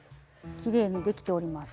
きれいにできております。